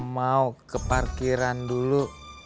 mau ke parkiran dulu